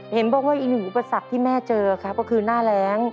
เห็นบอกว่าอีกหนึ่งอุปสรรคที่แม่เจอครับก็คือหน้าแรง